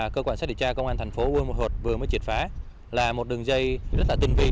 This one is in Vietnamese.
cơ quan xét định tra công an thành phố buôn ma thuột vừa mới triệt phá là một đường dây rất là tình vị